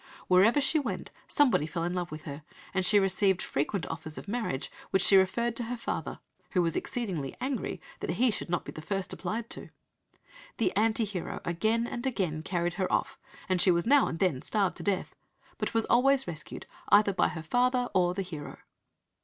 Wherever she went somebody fell in love with her, and she received frequent offers of marriage, which she referred to her father, who was "exceedingly angry that he should not be the first applied to." The "anti hero" again and again carried her off, and she was "now and then starved to death," but was always rescued either by her father or the hero!